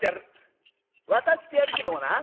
渡してやるけどもな